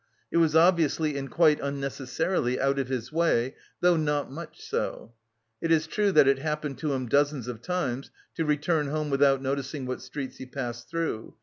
It was obviously and quite unnecessarily out of his way, though not much so. It is true that it happened to him dozens of times to return home without noticing what streets he passed through.